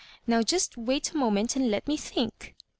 Now just wait a moment^ and let me think."